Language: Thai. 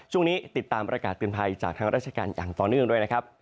ช่วงนี้ติดตามประกาศเตือนภัยจากทางราชการอย่างต่อเนื่องด้วยนะครับ